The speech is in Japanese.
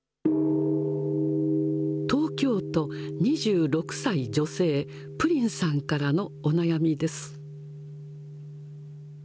東京都、２６歳女性、プリンさんからのお悩みです。